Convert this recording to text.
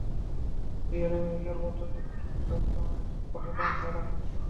Real আমেরিকার মতো, একঘেঁয়ে শব্দ আর এসব প্রশাসন ছাড়া।